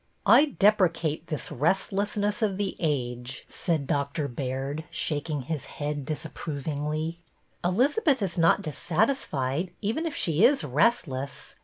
" I deprecate this restlessness of the age," said Doctor Baird, shaking his head disapprovingly. '' Elizabeth is not dissatisfied, even if she is restless.